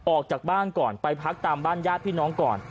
ออกจากบ้านก่อนไปพักตามบ้านญาติพี่น้องก่อน